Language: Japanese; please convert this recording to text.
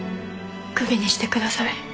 首にしてください